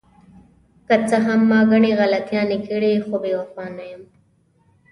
که څه هم ما ګڼې غلطیانې کړې، خو بې وفا نه یم.